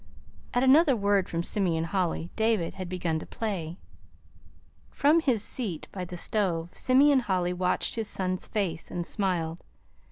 At another word from Simeon Holly, David had begun to play. From his seat by the stove Simeon Holly watched his son's face and smiled.